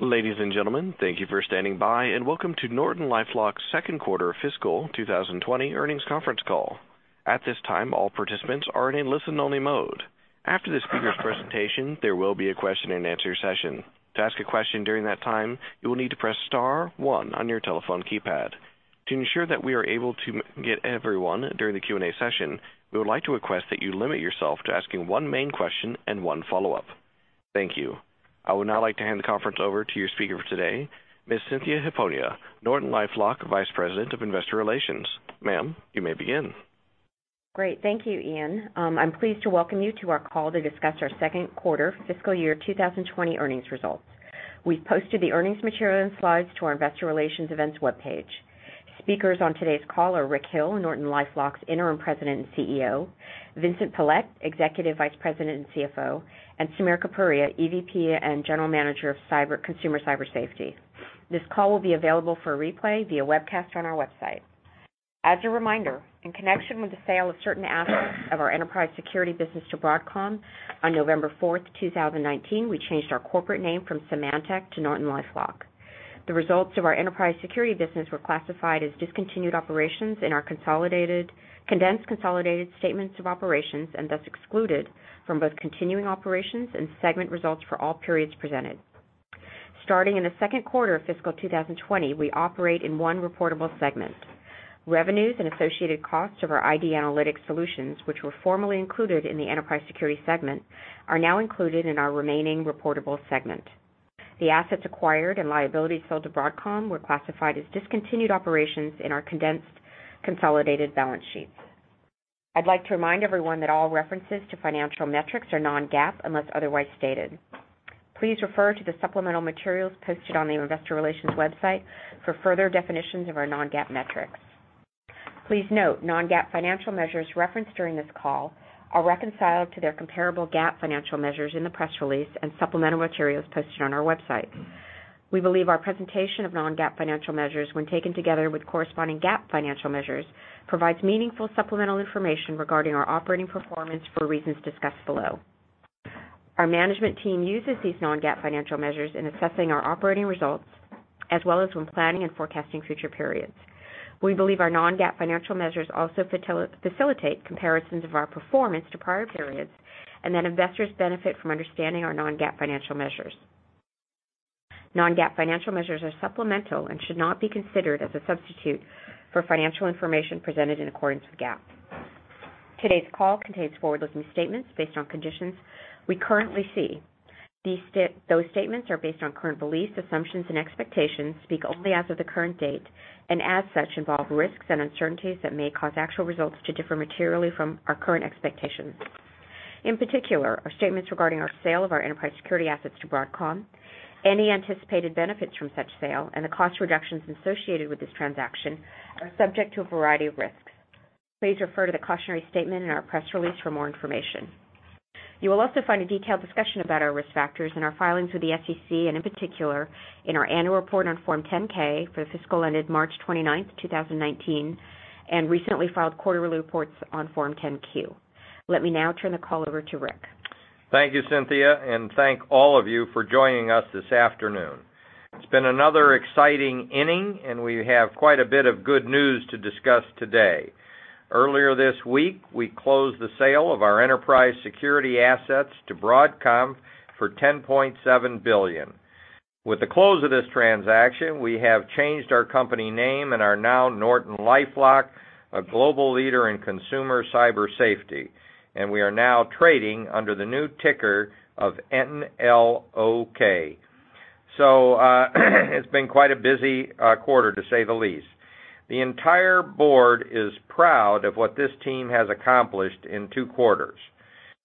Ladies and gentlemen, thank you for standing by. Welcome to NortonLifeLock's second quarter fiscal 2020 earnings conference call. At this time, all participants are in a listen-only mode. After the speaker's presentation, there will be a question-and-answer session. To ask a question during that time, you will need to press star 1 on your telephone keypad. To ensure that we are able to get everyone during the Q&A session, we would like to request that you limit yourself to asking one main question and one follow-up. Thank you. I would now like to hand the conference over to your speaker for today, Ms. Cynthia Hiponia, NortonLifeLock Vice President of Investor Relations. Ma'am, you may begin. Great. Thank you, Ian. I'm pleased to welcome you to our call to discuss our second quarter fiscal year 2020 earnings results. We've posted the earnings material and slides to our investor relations events webpage. Speakers on today's call are Rick Hill, NortonLifeLock's Interim President and CEO, Vincent Pilette, Executive Vice President and CFO, and Samir Kapuria, EVP and General Manager of Consumer Cyber Safety. This call will be available for replay via webcast on our website. As a reminder, in connection with the sale of certain assets of our enterprise security business to Broadcom, on November 4, 2019, we changed our corporate name from Symantec to NortonLifeLock. The results of our enterprise security business were classified as discontinued operations in our condensed consolidated statements of operations, and thus excluded from both continuing operations and segment results for all periods presented. Starting in the second quarter of fiscal 2020, we operate in one reportable segment. Revenues and associated costs of our ID Analytics solutions, which were formerly included in the enterprise security segment, are now included in our remaining reportable segment. The assets acquired and liabilities sold to Broadcom were classified as discontinued operations in our condensed consolidated balance sheets. I'd like to remind everyone that all references to financial metrics are non-GAAP unless otherwise stated. Please refer to the supplemental materials posted on the investor relations website for further definitions of our non-GAAP metrics. Please note, non-GAAP financial measures referenced during this call are reconciled to their comparable GAAP financial measures in the press release and supplemental materials posted on our website. We believe our presentation of non-GAAP financial measures, when taken together with corresponding GAAP financial measures, provides meaningful supplemental information regarding our operating performance for reasons discussed below. Our management team uses these non-GAAP financial measures in assessing our operating results, as well as when planning and forecasting future periods. We believe our non-GAAP financial measures also facilitate comparisons of our performance to prior periods, and that investors benefit from understanding our non-GAAP financial measures. Non-GAAP financial measures are supplemental and should not be considered as a substitute for financial information presented in accordance with GAAP. Today's call contains forward-looking statements based on conditions we currently see. Those statements are based on current beliefs, assumptions, and expectations, speak only as of the current date, and as such, involve risks and uncertainties that may cause actual results to differ materially from our current expectations. In particular, our statements regarding our sale of our enterprise security assets to Broadcom, any anticipated benefits from such sale, and the cost reductions associated with this transaction are subject to a variety of risks. Please refer to the cautionary statement in our press release for more information. You will also find a detailed discussion about our risk factors in our filings with the SEC, and in particular, in our annual report on Form 10-K for the fiscal ended March 29th, 2019, and recently filed quarterly reports on Form 10-Q. Let me now turn the call over to Rick. Thank you, Cynthia. Thank all of you for joining us this afternoon. It's been another exciting inning, and we have quite a bit of good news to discuss today. Earlier this week, we closed the sale of our enterprise security assets to Broadcom for $10.7 billion. With the close of this transaction, we have changed our company name and are now NortonLifeLock, a global leader in consumer cyber safety. We are now trading under the new ticker of NLOK. It's been quite a busy quarter to say the least. The entire board is proud of what this team has accomplished in two quarters.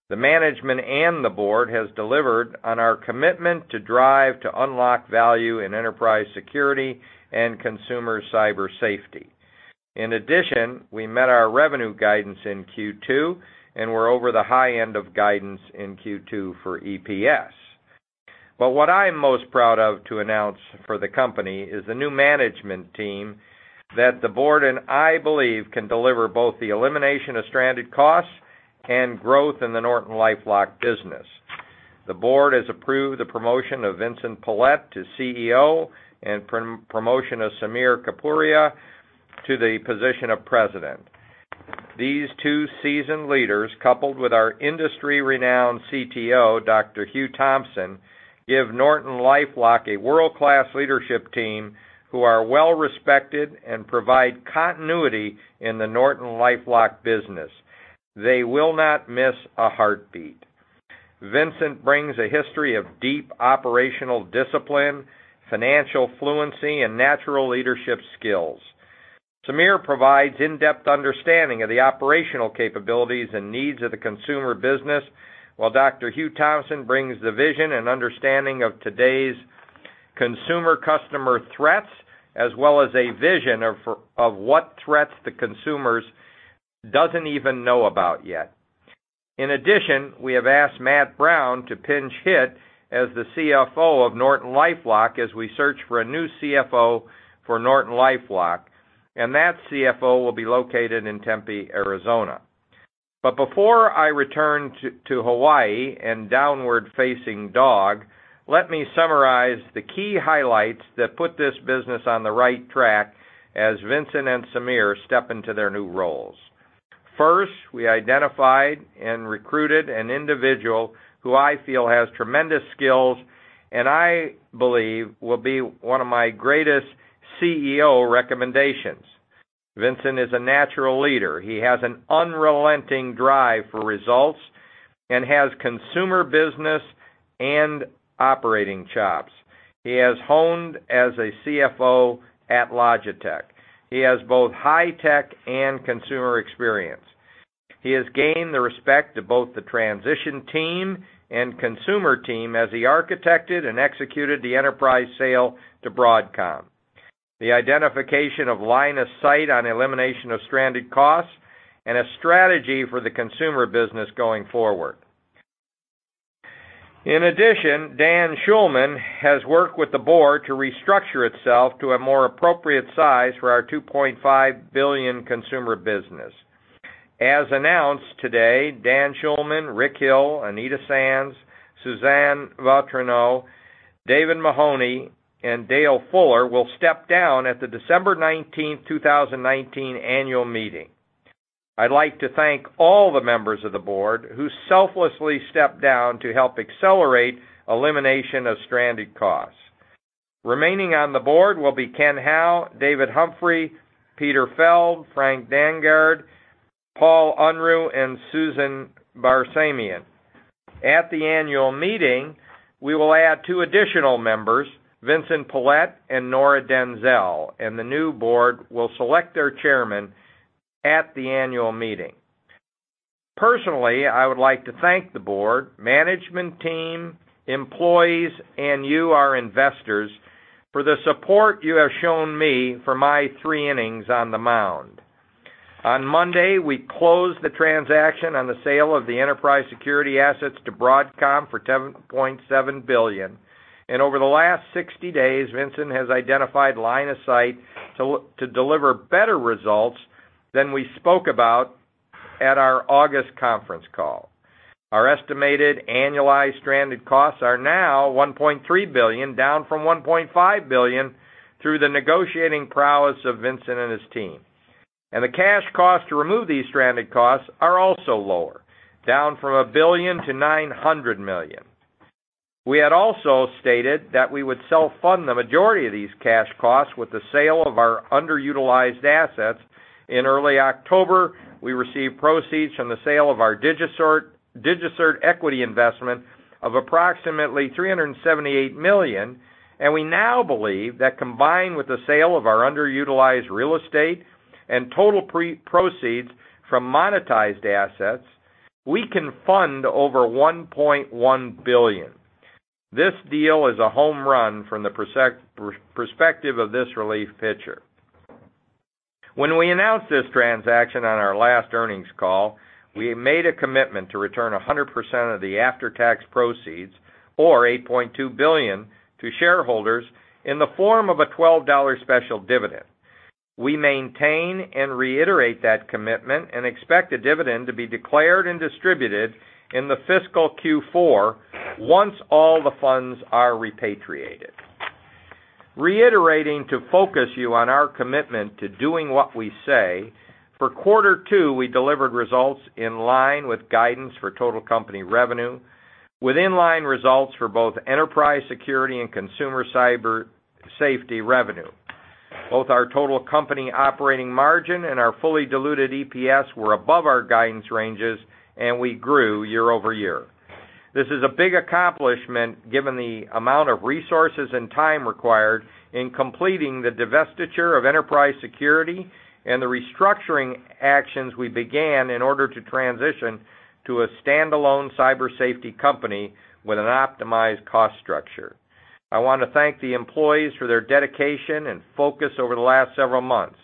The management and the board has delivered on our commitment to unlock value in enterprise security and consumer cyber safety. In addition, we met our revenue guidance in Q2, and we're over the high end of guidance in Q2 for EPS. What I'm most proud of to announce for the company is the new management team that the board and I believe can deliver both the elimination of stranded costs and growth in the NortonLifeLock business. The board has approved the promotion of Vincent Pilette to CEO and promotion of Samir Kapuria to the position of President. These two seasoned leaders, coupled with our industry-renowned CTO, Dr. Hugh Thompson, give NortonLifeLock a world-class leadership team who are well respected and provide continuity in the NortonLifeLock business. They will not miss a heartbeat. Vincent brings a history of deep operational discipline, financial fluency, and natural leadership skills. Samir provides in-depth understanding of the operational capabilities and needs of the consumer business, while Dr. Hugh Thompson brings the vision and understanding of today's consumer customer threats, as well as a vision of what threats the consumers doesn't even know about yet. In addition, we have asked Matt Brown to pinch hit as the CFO of NortonLifeLock as we search for a new CFO for NortonLifeLock, and that CFO will be located in Tempe, Arizona. Before I return to Hawaii and downward-facing dog, let me summarize the key highlights that put this business on the right track as Vincent and Samir step into their new roles. First, we identified and recruited an individual who I feel has tremendous skills, and I believe will be one of my greatest CEO recommendations. Vincent is a natural leader. He has an unrelenting drive for results and has consumer business and operating chops. He has honed as a CFO at Logitech. He has both high tech and consumer experience. He has gained the respect of both the transition team and consumer team as he architected and executed the enterprise sale to Broadcom, the identification of line of sight on elimination of stranded costs, and a strategy for the consumer business going forward. In addition, Dan Schulman has worked with the board to restructure itself to a more appropriate size for our $2.5 billion consumer business. As announced today, Dan Schulman, Rick Hill, Anita Sands, Suzanne Vautrinot, David Mahoney, and Dale Fuller will step down at the December 19, 2019, annual meeting. I'd like to thank all the members of the board who selflessly stepped down to help accelerate elimination of stranded costs. Remaining on the board will be Kenneth Hao, David Humphrey, Peter Feld, Frank Dangeard, Paul Unruh, and Susan Barsamian. At the annual meeting, we will add two additional members, Vincent Pilette and Nora Denzel, and the new board will select their chairman at the annual meeting. Personally, I would like to thank the board, management team, employees, and you, our investors, for the support you have shown me for my three innings on the mound. On Monday, we closed the transaction on the sale of the enterprise security assets to Broadcom for $10.7 billion. Over the last 60 days, Vincent has identified line of sight to deliver better results than we spoke about at our August conference call. Our estimated annualized stranded costs are now $1.3 billion, down from $1.5 billion through the negotiating prowess of Vincent and his team. The cash costs to remove these stranded costs are also lower, down from $1 billion to $900 million. We had also stated that we would self-fund the majority of these cash costs with the sale of our underutilized assets. In early October, we received proceeds from the sale of our DigiCert equity investment of approximately $378 million, and we now believe that combined with the sale of our underutilized real estate and total proceeds from monetized assets, we can fund over $1.1 billion. This deal is a home run from the perspective of this relief pitcher. When we announced this transaction on our last earnings call, we made a commitment to return 100% of the after-tax proceeds, or $8.2 billion, to shareholders in the form of a $12 special dividend. We maintain and reiterate that commitment and expect the dividend to be declared and distributed in the fiscal Q4 once all the funds are repatriated. Reiterating to focus you on our commitment to doing what we say, for quarter 2, we delivered results in line with guidance for total company revenue, with in-line results for both Enterprise Security and Consumer Cyber Safety revenue. Both our total company operating margin and our fully diluted EPS were above our guidance ranges, and we grew year-over-year. This is a big accomplishment given the amount of resources and time required in completing the divestiture of Enterprise Security and the restructuring actions we began in order to transition to a standalone cyber safety company with an optimized cost structure. I want to thank the employees for their dedication and focus over the last several months.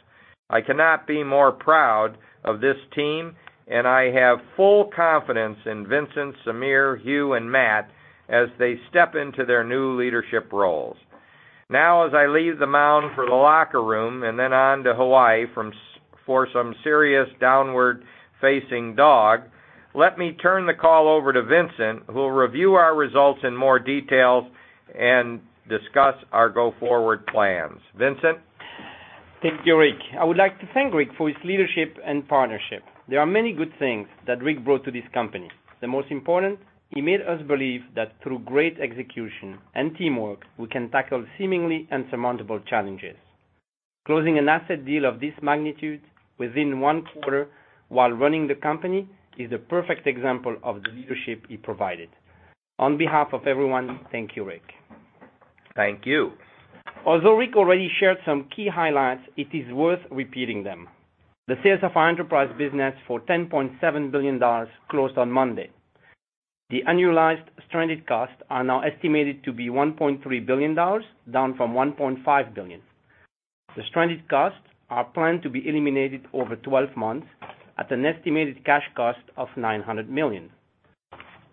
I cannot be more proud of this team, and I have full confidence in Vincent, Samir, Hugh, and Matt as they step into their new leadership roles. As I leave the mound for the locker room and then on to Hawaii for some serious downward-facing dog, let me turn the call over to Vincent, who will review our results in more detail and discuss our go-forward plans. Vincent? Thank you, Rick. I would like to thank Rick for his leadership and partnership. There are many good things that Rick brought to this company. The most important, he made us believe that through great execution and teamwork, we can tackle seemingly insurmountable challenges. Closing an asset deal of this magnitude within one quarter while running the company is a perfect example of the leadership he provided. On behalf of everyone, thank you, Rick. Thank you. Although Rick already shared some key highlights, it is worth repeating them. The sales of our enterprise business for $10.7 billion closed on Monday. The annualized stranded costs are now estimated to be $1.3 billion, down from $1.5 billion. The stranded costs are planned to be eliminated over 12 months at an estimated cash cost of $900 million.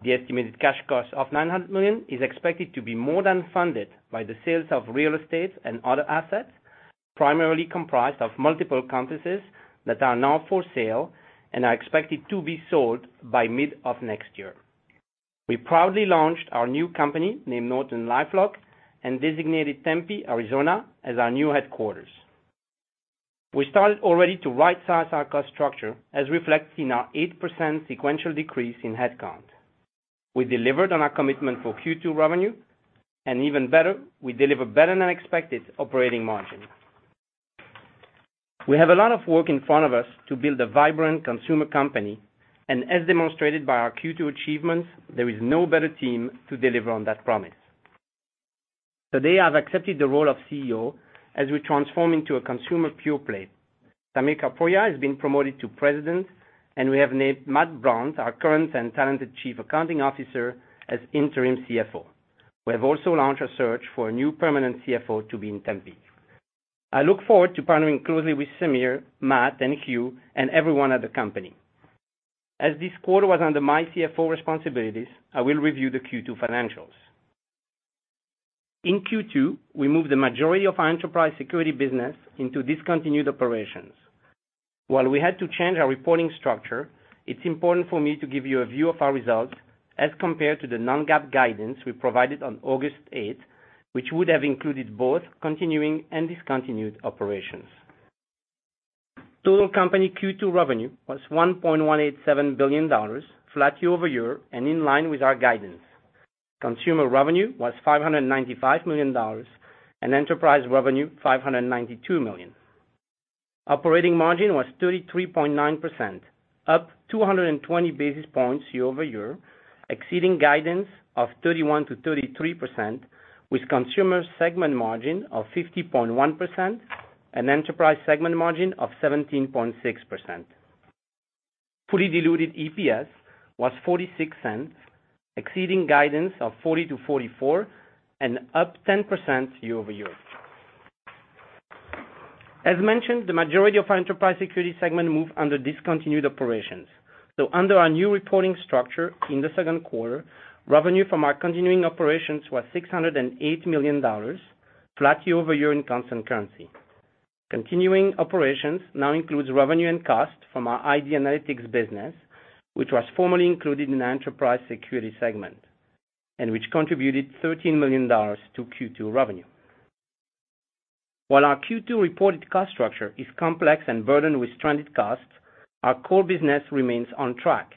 The estimated cash cost of $900 million is expected to be more than funded by the sales of real estate and other assets, primarily comprised of multiple campuses that are now for sale and are expected to be sold by mid of next year. We proudly launched our new company, named NortonLifeLock, and designated Tempe, Arizona as our new headquarters. We started already to right-size our cost structure, as reflected in our 8% sequential decrease in headcount. We delivered on our commitment for Q2 revenue, and even better, we delivered better than expected operating margin. We have a lot of work in front of us to build a vibrant consumer company, and as demonstrated by our Q2 achievements, there is no better team to deliver on that promise. Today, I've accepted the role of CEO as we transform into a consumer pure-play. Samir Kapuria has been promoted to President, and we have named Matt Brown, our current and talented Chief Accounting Officer, as interim CFO. We have also launched a search for a new permanent CFO to be in Tempe. I look forward to partnering closely with Samir, Matt, and Hugh, and everyone at the company. As this quarter was under my CFO responsibilities, I will review the Q2 financials. In Q2, we moved the majority of our enterprise security business into discontinued operations. While we had to change our reporting structure, it's important for me to give you a view of our results as compared to the non-GAAP guidance we provided on August 8th, which would have included both continuing and discontinued operations. Total company Q2 revenue was $1.187 billion, flat year-over-year and in line with our guidance. Consumer revenue was $595 million, and enterprise revenue, $592 million. Operating margin was 33.9%, up 220 basis points year-over-year, exceeding guidance of 31%-33%, with consumer segment margin of 50.1% and enterprise segment margin of 17.6%. Fully diluted EPS was $0.46, exceeding guidance of $0.40-$0.44, and up 10% year-over-year. As mentioned, the majority of our enterprise security segment moved under discontinued operations. Under our new reporting structure in the second quarter, revenue from our continuing operations was $608 million, flat year-over-year in constant currency. Continuing operations now includes revenue and cost from our ID Analytics business, which was formerly included in the enterprise security segment, and which contributed $13 million to Q2 revenue. While our Q2 reported cost structure is complex and burdened with stranded costs, our core business remains on track.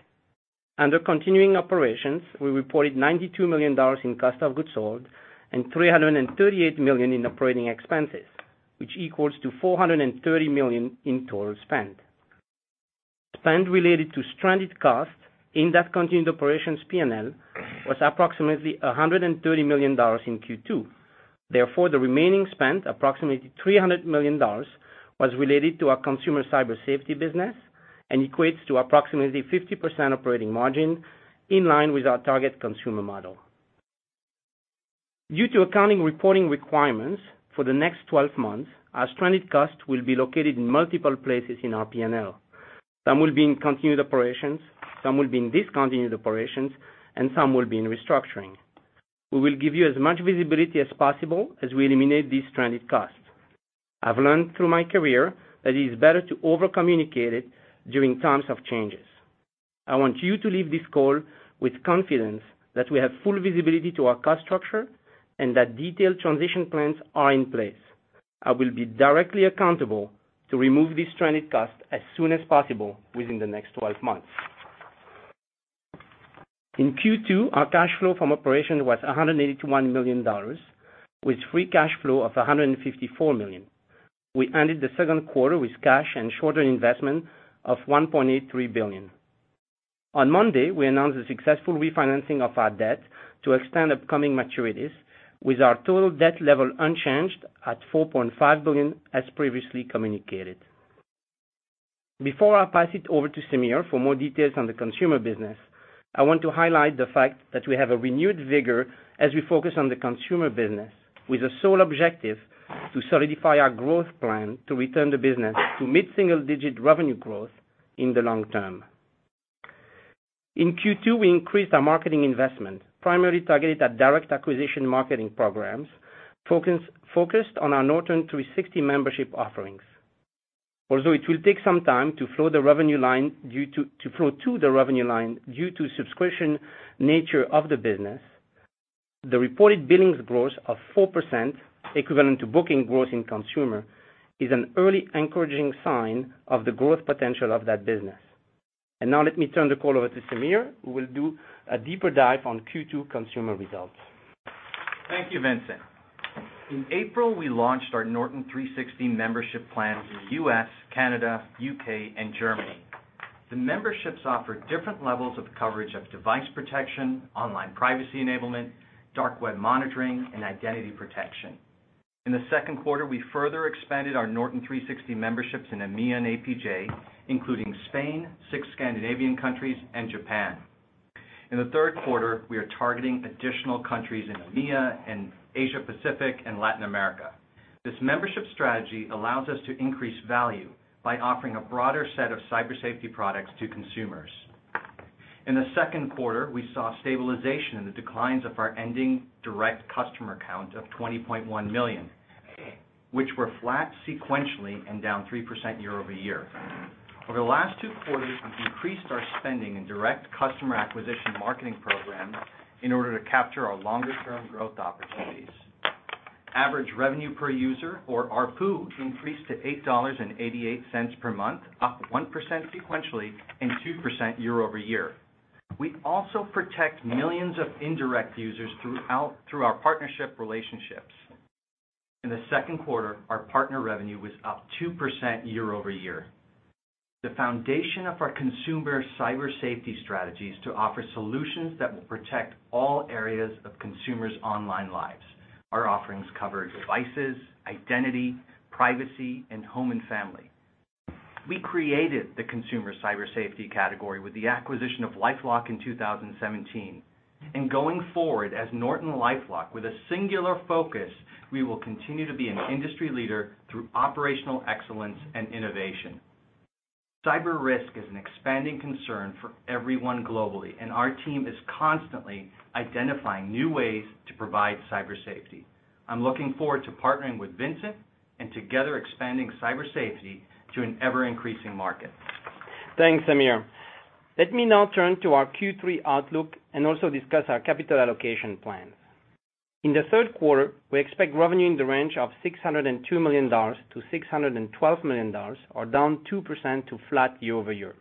Under continuing operations, we reported $92 million in cost of goods sold and $338 million in operating expenses, which equals to $430 million in total spend. Spend related to stranded costs in that continued operations P&L was approximately $130 million in Q2. The remaining spend, approximately $300 million, was related to our consumer cyber safety business and equates to approximately 50% operating margin, in line with our target consumer model. Due to accounting reporting requirements for the next 12 months, our stranded costs will be located in multiple places in our P&L. Some will be in continued operations, some will be in discontinued operations, and some will be in restructuring. We will give you as much visibility as possible as we eliminate these stranded costs. I've learned through my career that it is better to over-communicate it during times of changes. I want you to leave this call with confidence that we have full visibility to our cost structure and that detailed transition plans are in place. I will be directly accountable to remove these stranded costs as soon as possible within the next 12 months. In Q2, our cash flow from operation was $181 million, with free cash flow of $154 million. We ended the second quarter with cash and short-term investments of $1.83 billion. On Monday, we announced the successful refinancing of our debt to extend upcoming maturities, with our total debt level unchanged at $4.5 billion, as previously communicated. Before I pass it over to Samir for more details on the consumer business, I want to highlight the fact that we have a renewed vigor as we focus on the consumer business with the sole objective to solidify our growth plan to return the business to mid-single-digit revenue growth in the long term. In Q2, we increased our marketing investment, primarily targeted at direct acquisition marketing programs focused on our Norton 360 membership offerings. Although it will take some time to flow to the revenue line due to subscription nature of the business, the reported billings growth of 4%, equivalent to booking growth in consumer, is an early encouraging sign of the growth potential of that business. Now let me turn the call over to Samir, who will do a deeper dive on Q2 consumer results. Thank you, Vincent. In April, we launched our Norton 360 membership plan in the U.S., Canada, U.K., and Germany. The memberships offer different levels of coverage of device protection, online privacy enablement, dark web monitoring, and identity protection. In the second quarter, we further expanded our Norton 360 memberships in EMEA and APJ, including Spain, six Scandinavian countries, and Japan. In the third quarter, we are targeting additional countries in EMEA and Asia Pacific and Latin America. This membership strategy allows us to increase value by offering a broader set of cyber safety products to consumers. In the second quarter, we saw stabilization in the declines of our ending direct customer count of 20.1 million, which were flat sequentially and down 3% year-over-year. Over the last two quarters, we've increased our spending in direct customer acquisition marketing programs in order to capture our longer-term growth opportunities. Average revenue per user or ARPU increased to $8.88 per month, up 1% sequentially and 2% year-over-year. We also protect millions of indirect users through our partnership relationships. In the second quarter, our partner revenue was up 2% year-over-year. The foundation of our consumer cyber safety strategy is to offer solutions that will protect all areas of consumers' online lives. Our offerings cover devices, identity, privacy, and home and family. We created the consumer cyber safety category with the acquisition of LifeLock in 2017. Going forward as NortonLifeLock with a singular focus, we will continue to be an industry leader through operational excellence and innovation. Cyber risk is an expanding concern for everyone globally, and our team is constantly identifying new ways to provide cyber safety. I'm looking forward to partnering with Vincent, and together expanding cyber safety to an ever-increasing market. Thanks, Samir. Let me now turn to our Q3 outlook and also discuss our capital allocation plans. In the third quarter, we expect revenue in the range of $602 million-$612 million, or down 2% to flat year-over-year.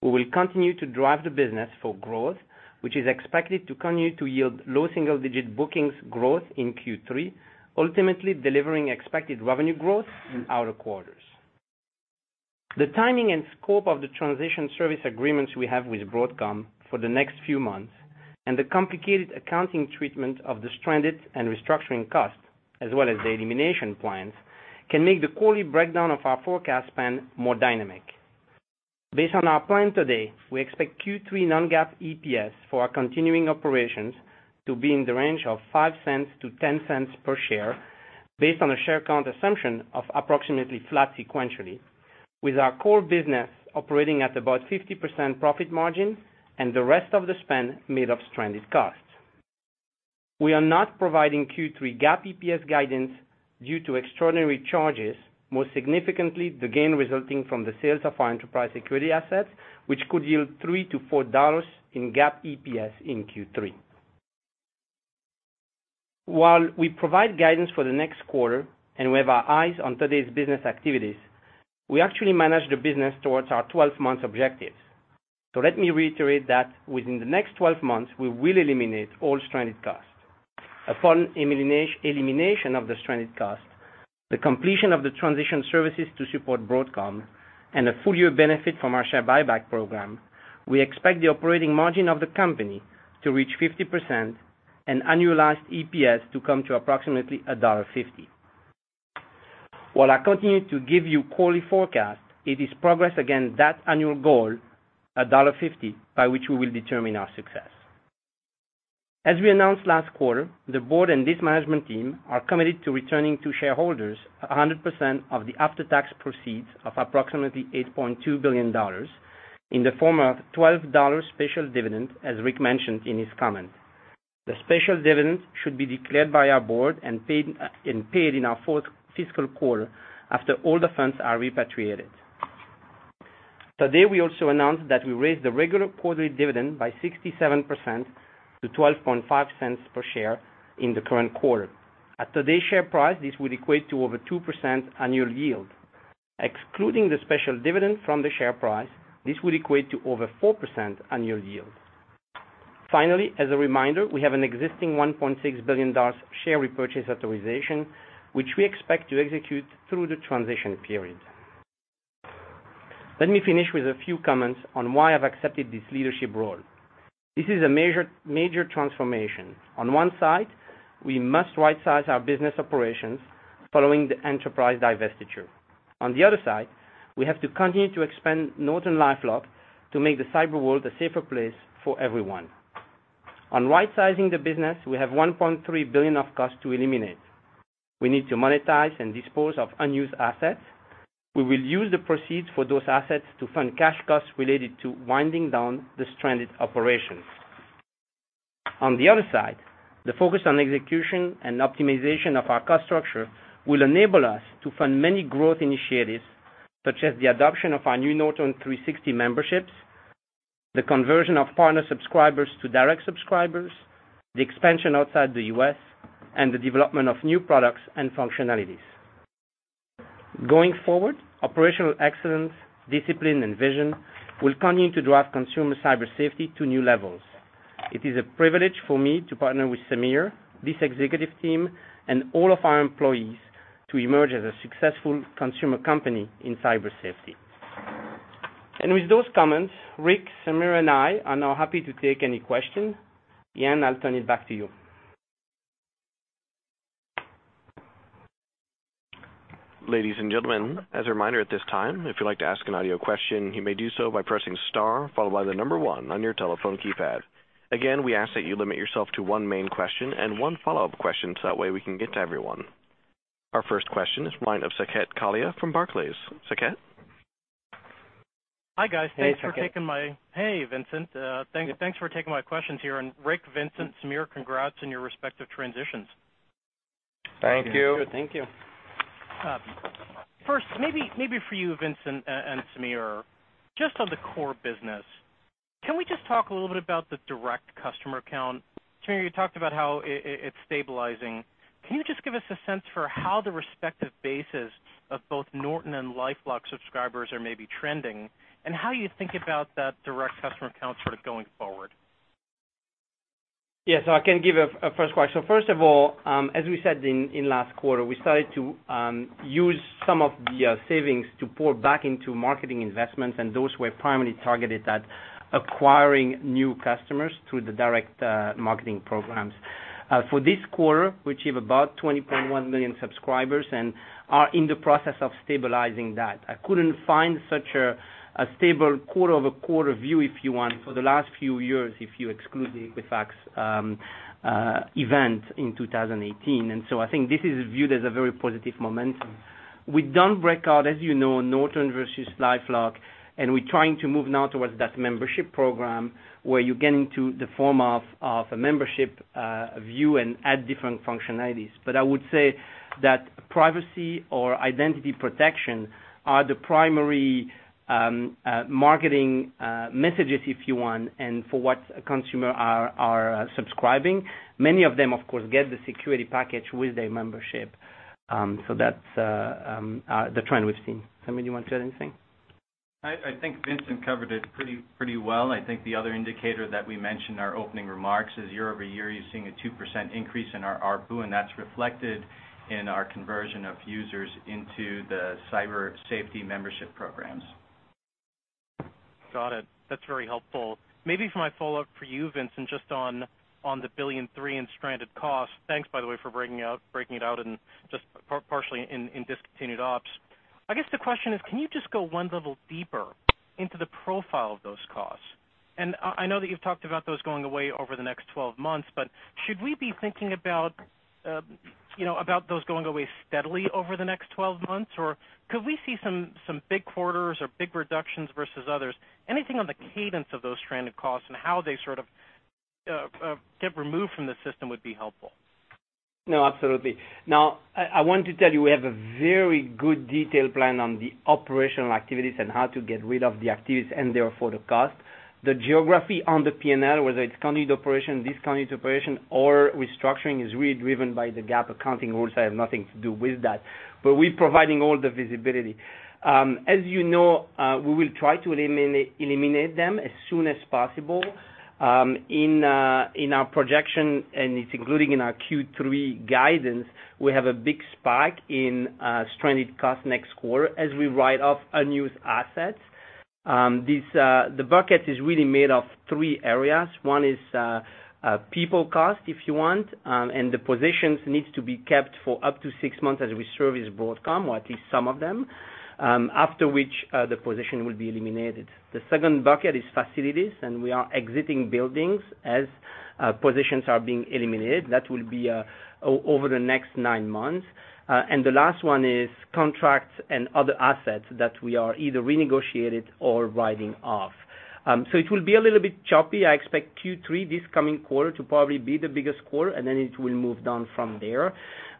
We will continue to drive the business for growth, which is expected to continue to yield low single-digit bookings growth in Q3, ultimately delivering expected revenue growth in outer quarters. The timing and scope of the transition service agreements we have with Broadcom for the next few months, and the complicated accounting treatment of the stranded and restructuring costs, as well as the elimination plans, can make the quarterly breakdown of our forecast spend more dynamic. Based on our plan today, we expect Q3 non-GAAP EPS for our continuing operations to be in the range of $0.05-$0.10 per share, based on a share count assumption of approximately flat sequentially, with our core business operating at about 50% profit margin and the rest of the spend made of stranded costs. We are not providing Q3 GAAP EPS guidance due to extraordinary charges, most significantly the gain resulting from the sales of our enterprise security assets, which could yield $3-$4 in GAAP EPS in Q3. While we provide guidance for the next quarter and we have our eyes on today's business activities, we actually manage the business towards our 12-month objectives. Let me reiterate that within the next 12 months, we will eliminate all stranded costs. Upon elimination of the stranded costs, the completion of the transition services to support Broadcom, and a full-year benefit from our share buyback program, we expect the operating margin of the company to reach 50% and annualized EPS to come to approximately $1.50. While I continue to give you quarterly forecasts, it is progress against that annual goal, $1.50, by which we will determine our success. As we announced last quarter, the board and this management team are committed to returning to shareholders 100% of the after-tax proceeds of approximately $8.2 billion in the form of $12 special dividend, as Rick mentioned in his comments. The special dividend should be declared by our board and paid in our fourth fiscal quarter, after all the funds are repatriated. Today, we also announced that we raised the regular quarterly dividend by 67% to $0.125 per share in the current quarter. At today's share price, this would equate to over 2% annual yield. Excluding the special dividend from the share price, this would equate to over 4% annual yield. Finally, as a reminder, we have an existing $1.6 billion share repurchase authorization, which we expect to execute through the transition period. Let me finish with a few comments on why I've accepted this leadership role. This is a major transformation. On one side, we must rightsize our business operations following the enterprise divestiture. On the other side, we have to continue to expand NortonLifeLock to make the cyber world a safer place for everyone. On rightsizing the business, we have $1.3 billion of costs to eliminate. We need to monetize and dispose of unused assets. We will use the proceeds for those assets to fund cash costs related to winding down the stranded operations. On the other side, the focus on execution and optimization of our cost structure will enable us to fund many growth initiatives, such as the adoption of our new Norton 360 memberships, the conversion of partner subscribers to direct subscribers, the expansion outside the U.S., and the development of new products and functionalities. Going forward, operational excellence, discipline, and vision will continue to drive consumer cyber safety to new levels. It is a privilege for me to partner with Samir, this executive team, and all of our employees to emerge as a successful consumer company in cyber safety. With those comments, Rick, Samir, and I are now happy to take any questions. Ian, I'll turn it back to you. Ladies and gentlemen, as a reminder at this time, if you'd like to ask an audio question, you may do so by pressing star followed by the number 1 on your telephone keypad. Again, we ask that you limit yourself to one main question and one follow-up question, that way we can get to everyone. Our first question is from the line of Saket Kalia from Barclays. Saket? Hi, guys. Hey, Saket. Hey, Vincent. Thanks for taking my questions here, and Rick, Vincent, Samir, congrats on your respective transitions. Thank you. Thank you. First, maybe for you, Vincent and Samir, just on the core business. Can we just talk a little bit about the direct customer count? Samir, you talked about how it's stabilizing. Can you just give us a sense for how the respective bases of both Norton and LifeLock subscribers are maybe trending, and how you think about that direct customer count sort of going forward? I can give a first question. First of all, as we said in last quarter, we started to use some of the savings to pour back into marketing investments, and those were primarily targeted at acquiring new customers through the direct marketing programs. For this quarter, we achieve about 20.1 million subscribers and are in the process of stabilizing that. I couldn't find such a stable quarter-over-quarter view, if you want, for the last few years, if you exclude the Equifax event in 2018, I think this is viewed as a very positive momentum. We don't break out, as you know, Norton versus LifeLock, and we're trying to move now towards that membership program where you get into the form of a membership view and add different functionalities. I would say that privacy or identity protection are the primary marketing messages, if you want, and for what consumer are subscribing. Many of them, of course, get the security package with their membership. That's the trend we've seen. Samir, you want to add anything? I think Vincent covered it pretty well. I think the other indicator that we mentioned in our opening remarks is year-over-year, you're seeing a 2% increase in our ARPU, and that's reflected in our conversion of users into the cyber safety membership programs. Got it. That's very helpful. Maybe for my follow-up for you, Vincent, just on the $1.3 billion in stranded costs. Thanks by the way for breaking it out and just partially in discontinued ops. I guess the question is, can you just go one level deeper into the profile of those costs? I know that you've talked about those going away over the next 12 months, but should we be thinking about those going away steadily over the next 12 months? Or could we see some big quarters or big reductions versus others? Anything on the cadence of those stranded costs and how they sort of get removed from the system would be helpful. No, absolutely. Now, I want to tell you, we have a very good detailed plan on the operational activities and how to get rid of the activities and therefore the cost. The geography on the P&L, whether it's continued operation, discontinued operation, or restructuring, is really driven by the GAAP accounting rules that have nothing to do with that. We're providing all the visibility. As you know, we will try to eliminate them as soon as possible. In our projection, and it's including in our Q3 guidance, we have a big spike in stranded costs next quarter as we write off unused assets. The bucket is really made of three areas. One is people cost, if you want, and the positions need to be kept for up to six months as we service Broadcom, or at least some of them, after which, the position will be eliminated. The second bucket is facilities, and we are exiting buildings as positions are being eliminated. That will be over the next nine months. The last one is contracts and other assets that we are either renegotiating or writing off. It will be a little bit choppy. I expect Q3, this coming quarter, to probably be the biggest quarter, and then it will move down from there.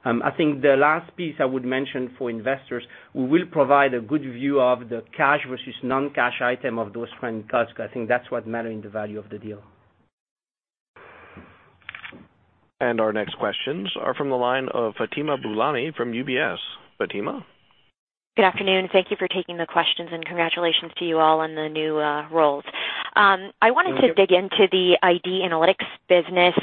I think the last piece I would mention for investors, we will provide a good view of the cash versus non-cash item of those transition costs, because I think that's what matters in the value of the deal. Our next questions are from the line of Fatima Boolani from UBS. Fatima? Good afternoon. Thank you for taking the questions, and congratulations to you all on the new roles. Thank you. I wanted to dig into the ID Analytics business.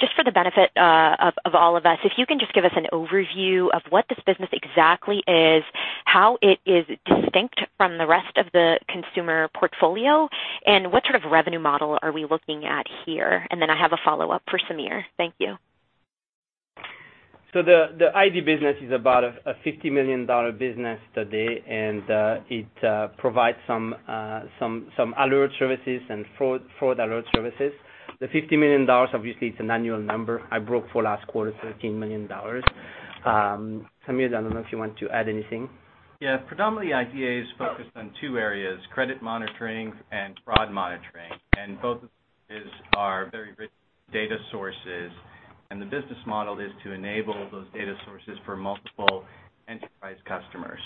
Just for the benefit of all of us, if you can just give us an overview of what this business exactly is, how it is distinct from the rest of the consumer portfolio, and what sort of revenue model are we looking at here? Then I have a follow-up for Samir. Thank you. The ID business is about a $50 million business today, and it provides some alert services and fraud alert services. The $50 million, obviously, it's an annual number. I broke for last quarter, $13 million. Samir, I don't know if you want to add anything. Yeah. Predominantly, ID is focused on two areas, credit monitoring and fraud monitoring. Both of those are very rich data sources, and the business model is to enable those data sources for multiple enterprise customers.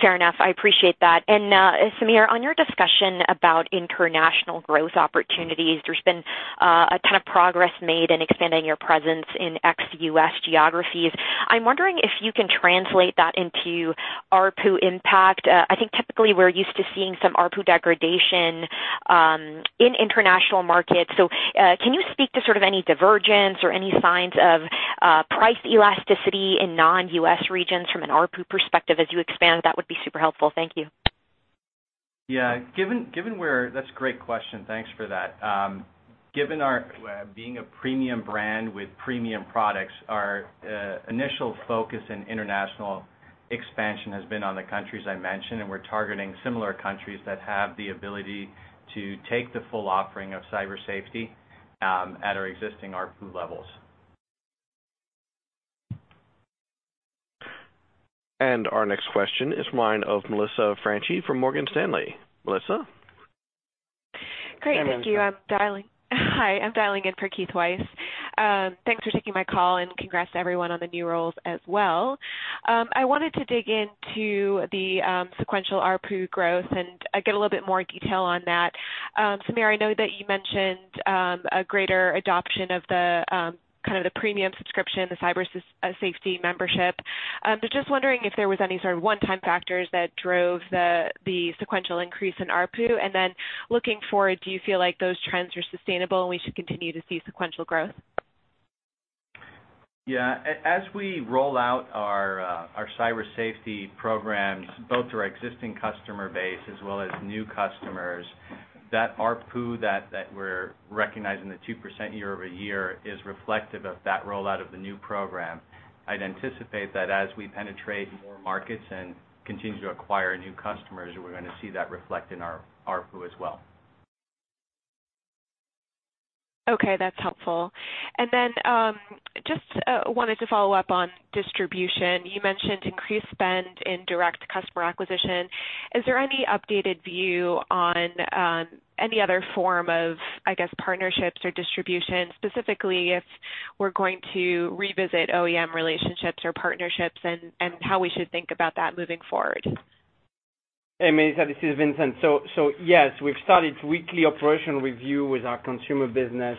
Fair enough. I appreciate that. Samir, on your discussion about international growth opportunities, there's been a ton of progress made in expanding your presence in ex-U.S. geographies. I'm wondering if you can translate that into ARPU impact. I think typically we're used to seeing some ARPU degradation in international markets. Can you speak to sort of any divergence or any signs of price elasticity in non-U.S. regions from an ARPU perspective as you expand? That would be super helpful. Thank you. Yeah. That's a great question. Thanks for that. Given our being a premium brand with premium products, our initial focus in international expansion has been on the countries I mentioned, and we're targeting similar countries that have the ability to take the full offering of cyber safety at our existing ARPU levels. Our next question is one of Melissa Franchi from Morgan Stanley. Melissa? Great. Thank you. Hi, I'm dialing in for Keith Weiss. Thanks for taking my call, and congrats everyone on the new roles as well. I wanted to dig into the sequential ARPU growth and get a little bit more detail on that. Samir, I know that you mentioned a greater adoption of the premium subscription, the cyber safety membership. Just wondering if there was any sort of one-time factors that drove the sequential increase in ARPU. Looking forward, do you feel like those trends are sustainable, and we should continue to see sequential growth? As we roll out our cyber safety programs, both to our existing customer base as well as new customers, that ARPU that we're recognizing, the 2% year-over-year, is reflective of that rollout of the new program. I'd anticipate that as we penetrate more markets and continue to acquire new customers, we're going to see that reflect in our ARPU as well. Okay. That's helpful. Just wanted to follow up on distribution. You mentioned increased spend in direct customer acquisition. Is there any updated view on any other form of partnerships or distribution? Specifically, if we're going to revisit OEM relationships or partnerships, and how we should think about that moving forward. Hey, Melissa, this is Vincent. Yes, we've started weekly operational review with our consumer business,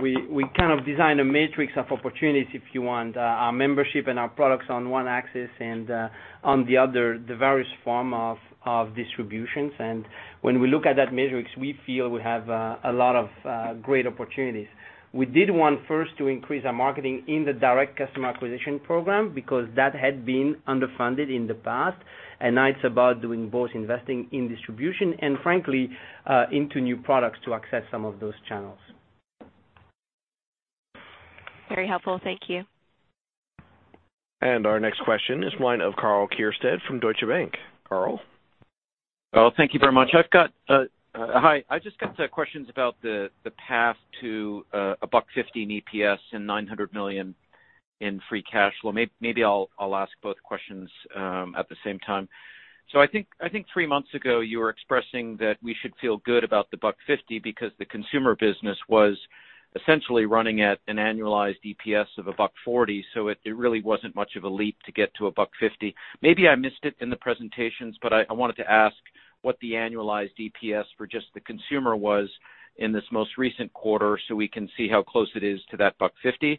we kind of designed a matrix of opportunities, if you want, our membership and our products on one axis and on the other, the various forms of distributions. When we look at that matrix, we feel we have a lot of great opportunities. We did one first to increase our marketing in the direct customer acquisition program because that had been underfunded in the past, and now it's about doing both investing in distribution and frankly, into new products to access some of those channels. Very helpful. Thank you. Our next question is one of Karl Keirstead from Deutsche Bank. Karl? Thank you very much. Hi. I just got questions about the path to $1.50 in EPS and $900 million in free cash flow. I'll ask both questions at the same time. I think three months ago, you were expressing that we should feel good about the $1.50 because the consumer business was essentially running at an annualized EPS of $1.40, it really wasn't much of a leap to get to $1.50. I missed it in the presentations, I wanted to ask what the annualized EPS for just the consumer was in this most recent quarter, we can see how close it is to that $1.50.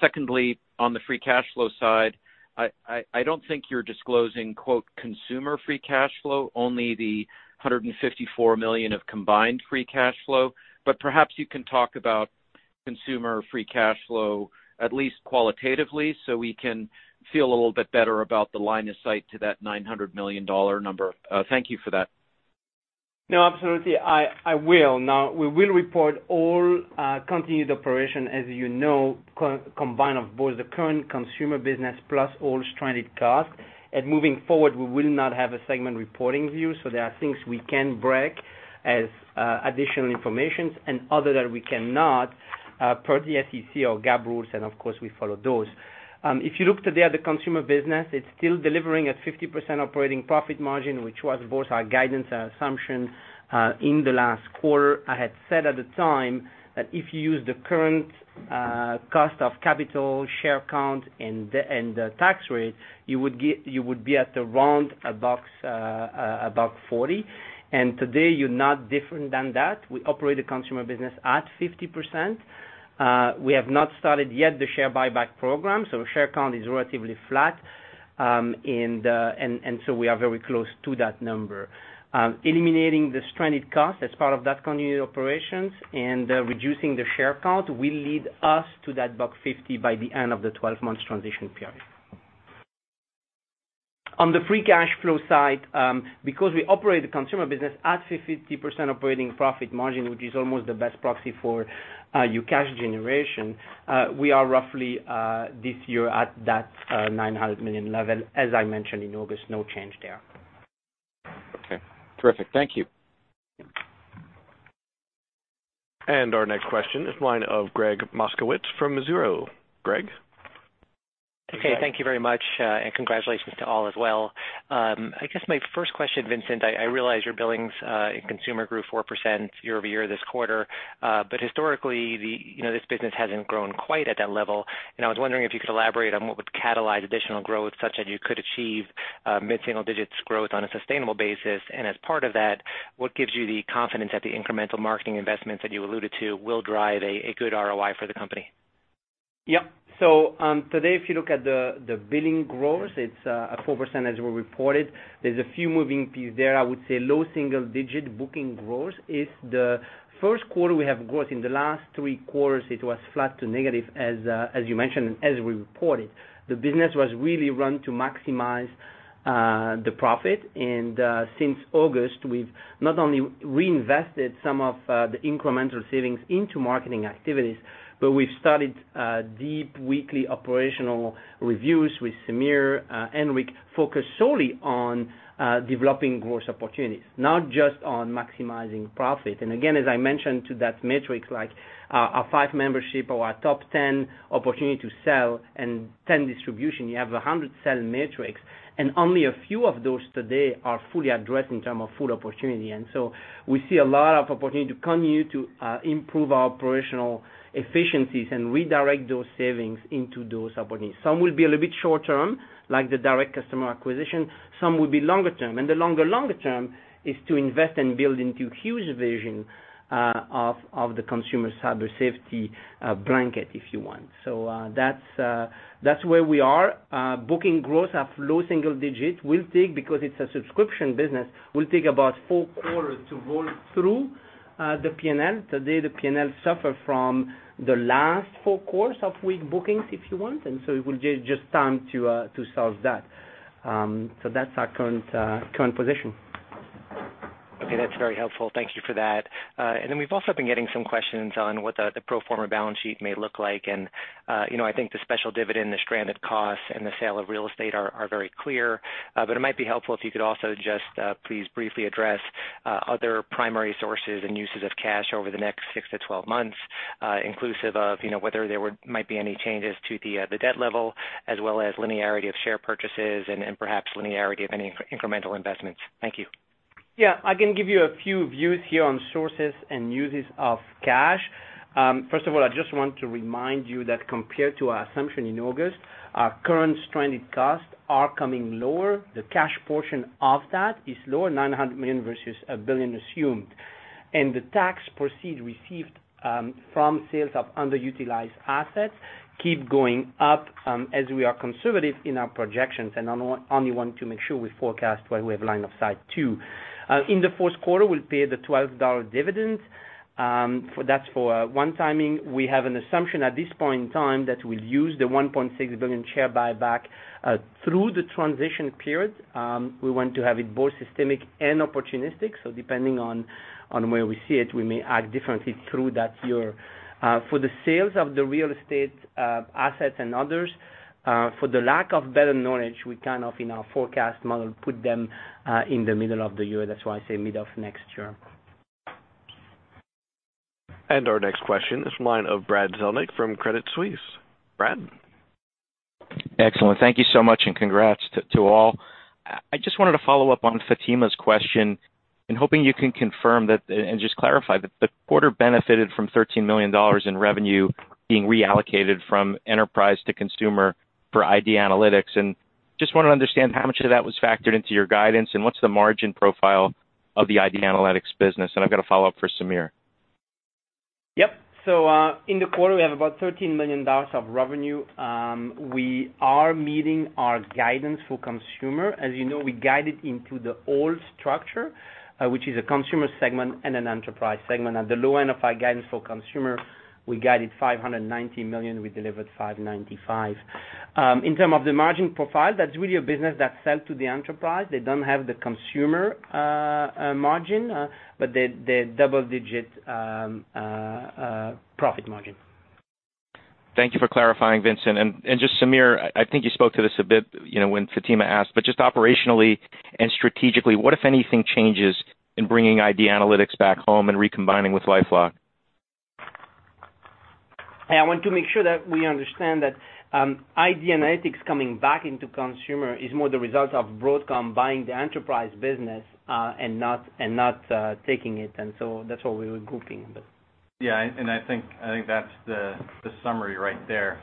Secondly, on the free cash flow side, I don't think you're disclosing, quote, consumer free cash flow, only the $154 million of combined free cash flow. Perhaps you can talk about consumer free cash flow at least qualitatively, so we can feel a little bit better about the line of sight to that $900 million number. Thank you for that. No, absolutely. I will. We will report all continued operation, as you know, combined of both the current consumer business plus all stranded costs. Moving forward, we will not have a segment reporting view. There are things we can break as additional information and other that we cannot, per the SEC or GAAP rules, and of course, we follow those. If you look today at the consumer business, it's still delivering a 50% operating profit margin, which was both our guidance and assumption in the last quarter. I had said at the time that if you use the current cost of capital share count and the tax rate, you would be at around $1.40. Today, you're not different than that. We operate the consumer business at 50%. We have not started yet the share buyback program, so share count is relatively flat. We are very close to that number. Eliminating the stranded cost as part of that continued operations and reducing the share count will lead us to that $1.50 by the end of the 12 months transition period. On the free cash flow side, because we operate the consumer business at 50% operating profit margin, which is almost the best proxy for your cash generation, we are roughly this year at that $900 million level, as I mentioned in August. No change there. Okay. Terrific. Thank you. Our next question is one of Gregg Moskowitz from Mizuho. Gregg? Okay. Thank you very much, and congratulations to all as well. I guess my first question, Vincent, I realize your billings in consumer grew 4% year-over-year this quarter. Historically, this business hasn't grown quite at that level. I was wondering if you could elaborate on what would catalyze additional growth such that you could achieve mid-single digits growth on a sustainable basis. As part of that, what gives you the confidence that the incremental marketing investments that you alluded to will drive a good ROI for the company? Today, if you look at the billing growth, it's at 4% as we reported. There's a few moving pieces there. I would say low single digit booking growth is the first quarter we have growth. In the last three quarters, it was flat to negative as you mentioned, and as we reported. The business was really run to maximize the profit. Since August, we've not only reinvested some of the incremental savings into marketing activities, but we've started deep weekly operational reviews with Samir and Rick focused solely on developing growth opportunities, not just on maximizing profit. Again, as I mentioned to that metric, like our five membership or our top 10 opportunity to sell and 10 distribution, you have 100 sell metrics and only a few of those today are fully addressed in term of full opportunity. We see a lot of opportunity to continue to improve our operational efficiencies and redirect those savings into those opportunities. Some will be a little bit short-term, like the direct customer acquisition. Some will be longer term. The longer term is to invest and build into Hugh's vision of the consumer cyber safety blanket, if you want. That's where we are. Booking growth at low single digit. Because it's a subscription business, will take about four quarters to roll through the P&L. Today, the P&L suffer from the last four quarters of weak bookings, if you want. It will take just time to solve that. That's our current position. Okay. That's very helpful. Thank you for that. We've also been getting some questions on what the pro forma balance sheet may look like, and I think the special dividend, the stranded costs, and the sale of real estate are very clear. It might be helpful if you could also just please briefly address other primary sources and uses of cash over the next six to 12 months, inclusive of whether there might be any changes to the debt level, as well as linearity of share purchases and perhaps linearity of any incremental investments. Thank you. Yeah. I can give you a few views here on sources and uses of cash. First of all, I just want to remind you that compared to our assumption in August, our current stranded costs are coming lower. The cash portion of that is lower, $900 million versus $1 billion assumed. The tax proceeds received from sales of underutilized assets keep going up, as we are conservative in our projections and only want to make sure we forecast where we have line of sight to. In the fourth quarter, we'll pay the $12 dividend. That's for one timing. We have an assumption at this point in time that we'll use the $1.6 billion share buyback through the transition period. We want to have it both systemic and opportunistic, so depending on where we see it, we may act differently through that year. For the sales of the real estate assets and others, for the lack of better knowledge, we kind of in our forecast model, put them in the middle of the year. That's why I say mid of next year. Our next question is from the line of Brad Zelnick from Credit Suisse. Brad. Excellent. Thank you so much and congrats to all. I just wanted to follow up on Fatima's question and hoping you can confirm and just clarify that the quarter benefited from $13 million in revenue being reallocated from enterprise to consumer for ID Analytics, and just want to understand how much of that was factored into your guidance and what's the margin profile of the ID Analytics business. I've got a follow-up for Samir. Yep. In the quarter, we have about $13 million of revenue. We are meeting our guidance for consumer. As you know, we guided into the old structure, which is a Consumer segment and an Enterprise segment. At the low end of our guidance for consumer, we guided $590 million. We delivered $595. In terms of the margin profile, that's really a business that sell to the Enterprise. They don't have the Consumer margin, but the double-digit profit margin. Thank you for clarifying, Vincent. Just Samir, I think you spoke to this a bit when Fatima asked, but just operationally and strategically, what, if anything, changes in bringing ID Analytics back home and recombining with LifeLock? I want to make sure that we understand that ID Analytics coming back into consumer is more the result of Broadcom buying the enterprise business, and not taking it. That's why we were grouping them. Yeah, I think that's the summary right there.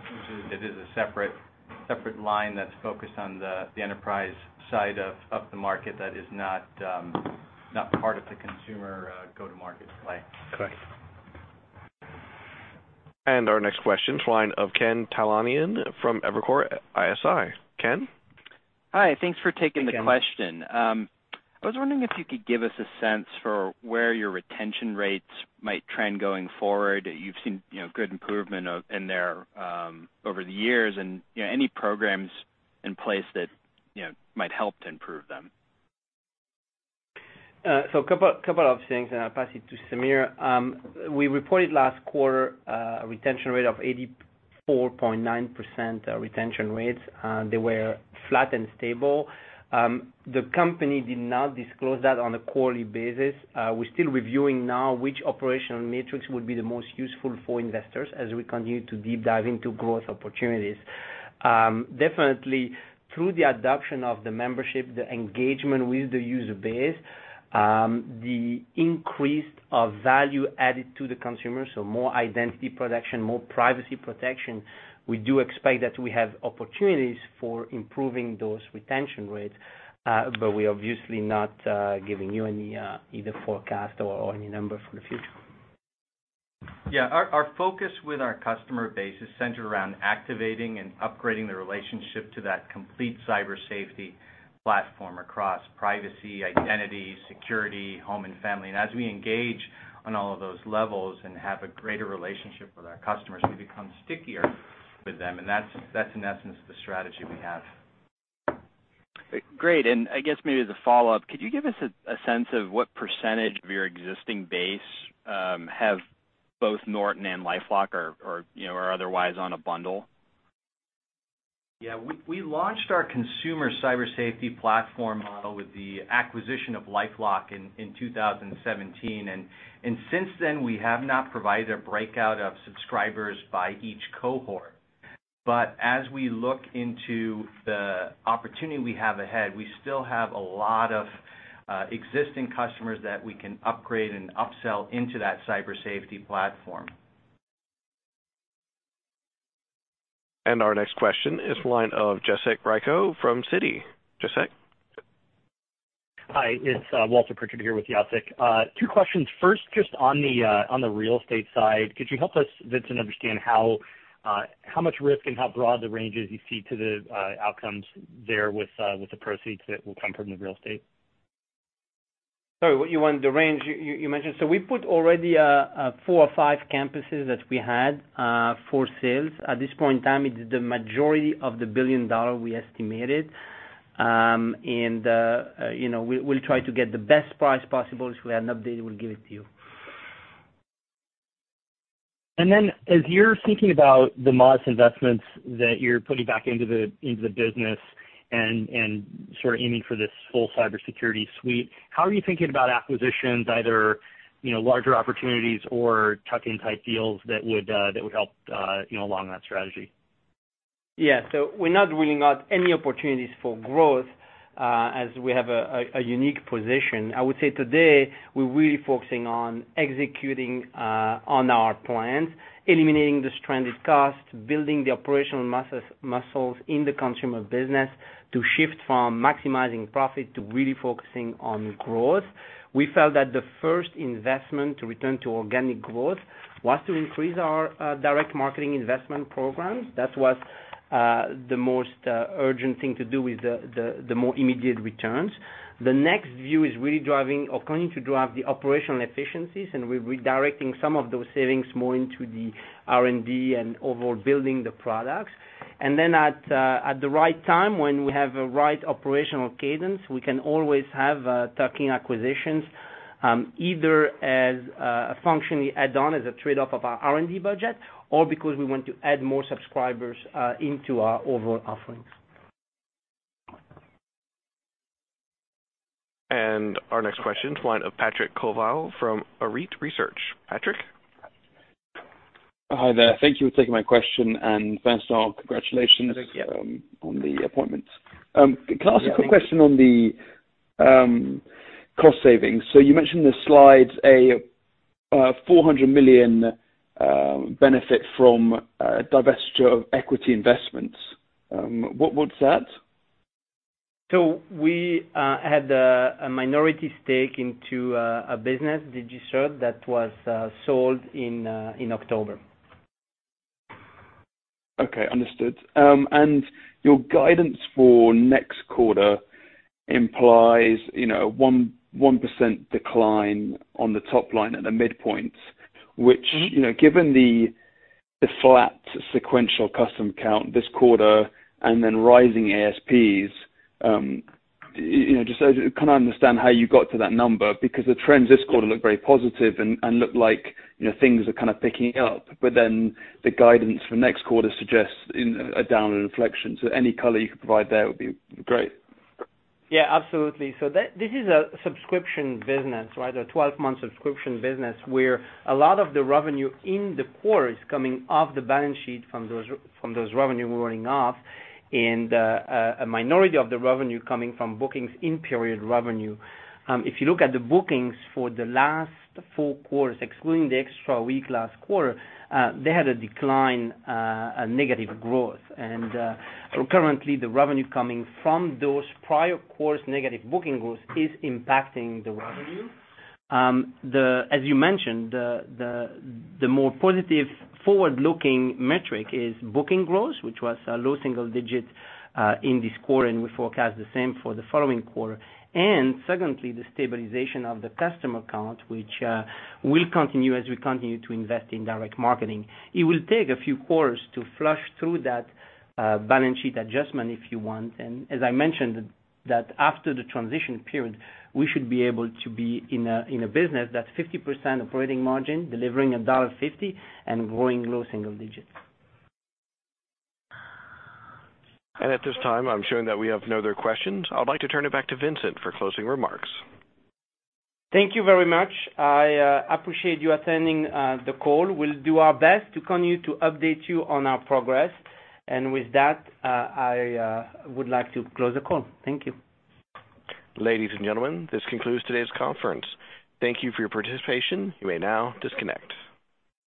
It is a separate line that's focused on the enterprise side of the market that is not part of the consumer go-to market play. Okay. Our next question's line of Ken Talanian from Evercore ISI. Ken. Hi. Thanks for taking the question. I was wondering if you could give us a sense for where your retention rates might trend going forward. You've seen good improvement in there over the years, and any programs in place that might help to improve them. A couple of things and I'll pass it to Samir. We reported last quarter a retention rate of 84.9% retention rates. They were flat and stable. The company did not disclose that on a quarterly basis. We're still reviewing now which operational metrics would be the most useful for investors as we continue to deep dive into growth opportunities. Definitely through the adoption of the membership, the engagement with the user base, the increase of value added to the consumer, so more identity protection, more privacy protection, we do expect that we have opportunities for improving those retention rates. We're obviously not giving you any either forecast or any number for the future. Yeah. Our focus with our customer base is centered around activating and upgrading the relationship to that complete cyber safety platform across privacy, identity, security, home, and family. As we engage on all of those levels and have a greater relationship with our customers, we become stickier with them. That's, in essence, the strategy we have. Great. I guess maybe as a follow-up, could you give us a sense of what % of your existing base have both Norton and LifeLock or are otherwise on a bundle? We launched our consumer cyber safety platform model with the acquisition of LifeLock in 2017. Since then, we have not provided a breakout of subscribers by each cohort. As we look into the opportunity we have ahead, we still have a lot of existing customers that we can upgrade and upsell into that cyber safety platform. Our next question is the line of Jacek Rycko from Citi. Jacek? Hi, it's Walter Pritchard here with Jacek. Two questions. First, just on the real estate side, could you help us, Vincent, understand how much risk and how broad the range is you see to the outcomes there with the proceeds that will come from the real estate? Sorry, what you want the range you mentioned? We put already four or five campuses that we had for sale. At this point in time, it's the majority of the billion-dollar we estimated. We'll try to get the best price possible. We have an update, we'll give it to you. As you're thinking about the mods investments that you're putting back into the business and sort of aiming for this full cybersecurity suite, how are you thinking about acquisitions, either larger opportunities or tuck-in type deals that would help along that strategy? We're not ruling out any opportunities for growth, as we have a unique position. I would say today, we're really focusing on executing on our plans, eliminating the stranded costs, building the operational muscles in the consumer business to shift from maximizing profit to really focusing on growth. We felt that the first investment to return to organic growth was to increase our direct marketing investment programs. That was the most urgent thing to do with the more immediate returns. The next view is really driving or going to drive the operational efficiencies, and we're redirecting some of those savings more into the R&D and overall building the products. Then at the right time, when we have a right operational cadence, we can always have tuck-in acquisitions, either as a functionally add-on as a trade-off of our R&D budget, or because we want to add more subscribers into our overall offerings. Our next question is the line of Patrick Colville from Arete Research. Patrick? Hi there. Thank you for taking my question. First of all, congratulations- Thank you. on the appointment. Yeah, thank you. Can I ask a quick question on the cost savings? You mentioned in the slides a $400 million benefit from divestiture of equity investments. What's that? We had a minority stake into a business, DigiCert, that was sold in October. Okay. Understood. Your guidance for next quarter implies 1% decline on the top line at a midpoint. given the flat sequential customer count this quarter and then rising ASPs, just so I kind of understand how you got to that number because the trends this quarter look very positive and look like things are kind of picking up, but then the guidance for next quarter suggests a downward inflection. Any color you could provide there would be great? Yeah, absolutely. This is a subscription business, right? A 12-month subscription business where a lot of the revenue in the quarter is coming off the balance sheet from those revenue rolling off and a minority of the revenue coming from bookings in period revenue. If you look at the bookings for the last four quarters, excluding the extra week last quarter, they had a decline, a negative growth. Currently, the revenue coming from those prior quarters' negative booking growth is impacting the revenue. As you mentioned, the more positive forward-looking metric is booking growth, which was low single digits in this quarter, and we forecast the same for the following quarter. Secondly, the stabilization of the customer count, which will continue as we continue to invest in direct marketing. It will take a few quarters to flush through that balance sheet adjustment if you want. As I mentioned that after the transition period, we should be able to be in a business that's 50% operating margin, delivering $1.50 and growing low single digits. At this time, I'm showing that we have no other questions. I'd like to turn it back to Vincent for closing remarks. Thank you very much. I appreciate you attending the call. We'll do our best to continue to update you on our progress. With that, I would like to close the call. Thank you. Ladies and gentlemen, this concludes today's conference. Thank you for your participation. You may now disconnect.